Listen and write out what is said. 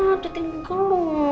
udah tinggal dulu